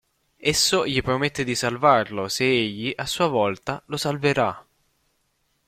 Esso gli promette di salvarlo se egli, a sua volta, lo salverà.